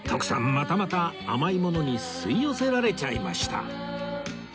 またまた甘いものに吸い寄せられちゃいました